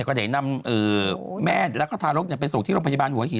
ก็ได้นำแม่แล้วก็ทารกไปส่งที่โรงพยาบาลหัวหิน